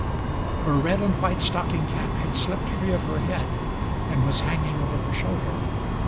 Her red and white stocking cap had slipped free of her head and was hanging over her shoulder.